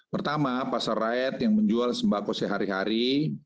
pertama pasar rakyat yang menjual sembah koseh hari hari